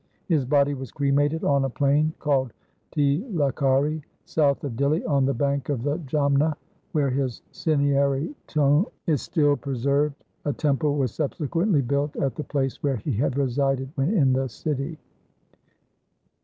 His body was cremated on a plain called Tilokhari south of Dihli on the bank of the Jamna, where his cinerary tomb is still pre served. A temple was subsequently built at the place where he had resided when in the city.